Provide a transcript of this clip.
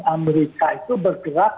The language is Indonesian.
amerika itu bergerak